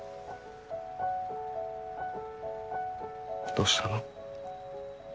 どうしたの？